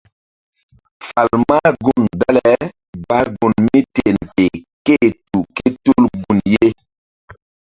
Fal mah gun dale bah gun míten fe ké-e tu ké tul gun ye.